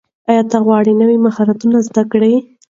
ایا ته غواړې نوي مهارت زده کړې؟